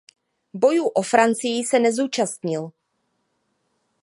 Bojů o Francii se nezúčastnil.